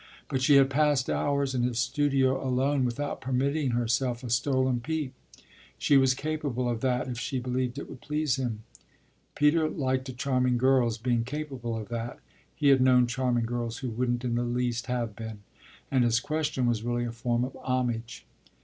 But she had passed hours in his studio alone without permitting herself a stolen peep; she was capable of that if she believed it would please him. Peter liked a charming girl's being capable of that he had known charming girls who wouldn't in the least have been and his question was really a form of homage.